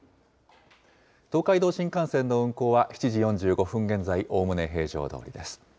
東海道新幹線の運行は７時４５分現在、おおむね平常どおりです。